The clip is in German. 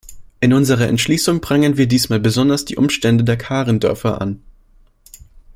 In unserer Entschließung prangern wir diesmal besonders die Umstände der Karen-Dörfer an.